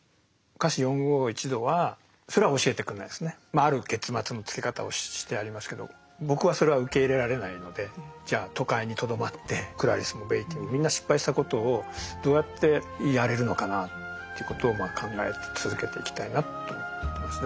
ある結末のつけ方をしてありますけど僕はそれは受け入れられないのでじゃあ都会にとどまってクラリスもベイティーもみんな失敗したことをどうやってやれるのかなということを考え続けていきたいなと思ってますね。